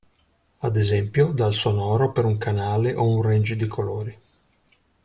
Ad esempio, dal sonoro per un canale o un range di colori.